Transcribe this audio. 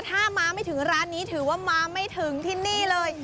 ถ้ามาไม่ถึงร้านนี้ถือว่ามาไม่ถึงที่นี่เลย